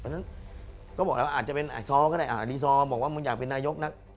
เพราะฉะนั้นก็บอกแล้วอาจจะเป็นซ้อก็ได้ดีซอร์บอกว่ามึงอยากเป็นนายกนัก